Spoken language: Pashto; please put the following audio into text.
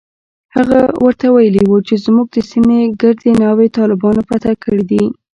هغه ورته ويلي و چې زموږ د سيمې ګردې ناوې طالبانو فتح کړي دي.